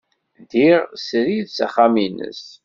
Ddiɣ srid s axxam-nnes.